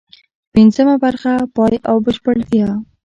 پنځمه برخه: پای او بشپړتیا